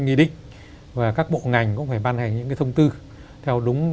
nghị định và các bộ ngành cũng phải ban hành những thông tư theo đúng